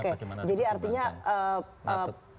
bagaimana oke jadi artinya